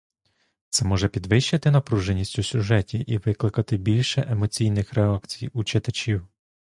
Це може підвищити напруженість у сюжеті і викликати більше емоційних реакцій у читачів.